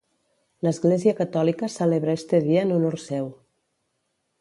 L'Església catòlica celebra este dia en honor seu.